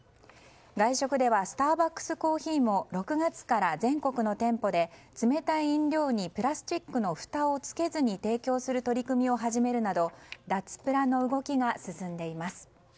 外食ではスターバックスコーヒーも６月から全国の店舗で冷たい飲料にプラスチックのふたをつけずに提供する取り組みを始めるなど脱プラの動きが進んでいます。